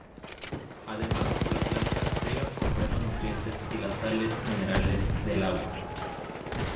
Además la planta debe absorber los nutrientes y las sales minerales del agua.